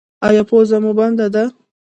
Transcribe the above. ایا پوزه مو بنده ده؟